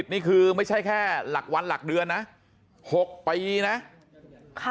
นี่คือไม่ใช่แค่หลักวันหลักเดือนนะ๖ปีนะ